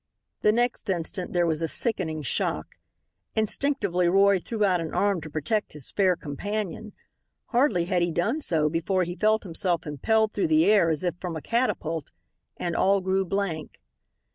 The next instant there was a sickening shock. Instinctively Roy threw out an arm to protect his fair companion. Hardly had he done so before he felt himself impelled through the air as if from a catapult, and all grew blank.